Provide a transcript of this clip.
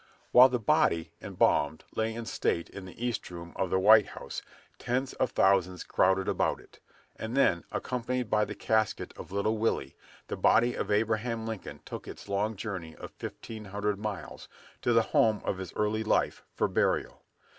While the body, embalmed, lay in state in the east room of the White House tens of thousands crowded about it. And then, accompanied by the casket of little Willie, the body of Abraham Lincoln took its long journey of fifteen hundred miles, to the home of his early life, for burial.